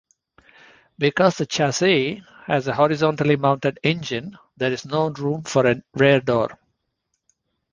Because the chassis has a horizontally-mounted engine, there's no room for a rear door.